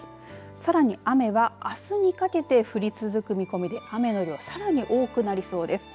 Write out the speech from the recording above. さらに雨はあすにかけて降り続く見込みで雨の量さらに多くなりそうです。